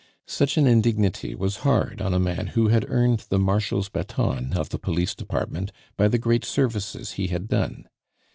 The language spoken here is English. Such an indignity was hard on a man who had earned the Marshal's baton of the Police Department by the great services he had done.